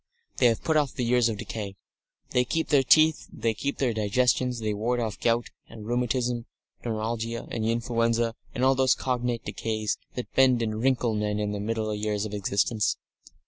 They have put off the years of decay. They keep their teeth, they keep their digestions, they ward off gout and rheumatism, neuralgia and influenza and all those cognate decays that bend and wrinkle men and women in the middle years of existence.